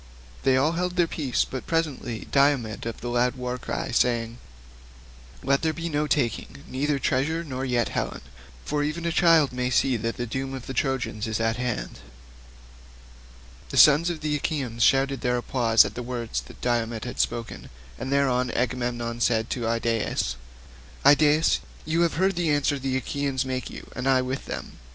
They all held their peace, but presently Diomed of the loud war cry spoke, saying, "Let there be no taking, neither treasure, nor yet Helen, for even a child may see that the doom of the Trojans is at hand." The sons of the Achaeans shouted applause at the words that Diomed had spoken, and thereon King Agamemnon said to Idaeus, "Idaeus, you have heard the answer the Achaeans make you and I with them.